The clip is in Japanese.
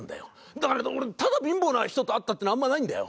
だけれども俺ただ貧乏な人と会ったっていうのはあんまないんだよ。